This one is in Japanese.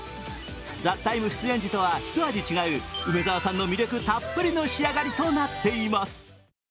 「ＴＨＥＴＩＭＥ，」出演時とはひと味違う魅力たっぷりの仕上がりとなっています。